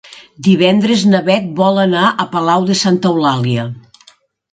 Divendres na Beth vol anar a Palau de Santa Eulàlia.